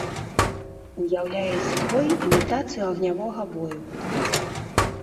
Уяўляе сабой імітацыю агнявога бою.